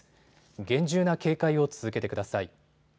厳重な警戒を続けてください。